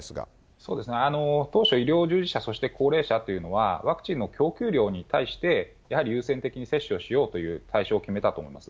そうですね、当初、医療従事者そして高齢者というのは、ワクチンの供給量に対して、やはり優先的に接種をしようという対象を決めたと思います。